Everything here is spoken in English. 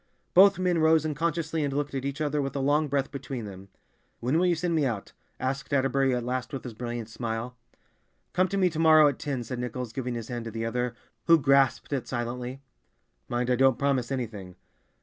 Both men rose unconsciously and looked at each other, with a long breath between them. "When will you send me out?" asked Atterbury at last with his brilliant smile. "Come to me to morrow at ten," said Nichols, giving his hand to the other, who grasped it silently. "Mind, I don't promise anything."